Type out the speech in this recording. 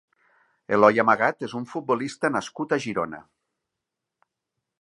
Eloi Amagat és un futbolista nascut a Girona.